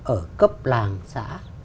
ở cấp làng xã